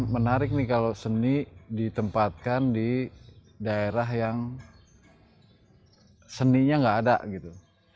menarik nih kalau seni ditempatkan di daerah yang seninya nggak ada gitu